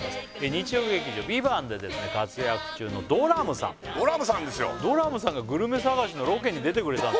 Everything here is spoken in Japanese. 日曜劇場「ＶＩＶＡＮＴ」で活躍中のドラムさんドラムさんがグルメ探しのロケに出てくれたんですよ